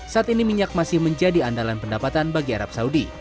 saat ini minyak masih menjadi andalan pendapatan bagi arab saudi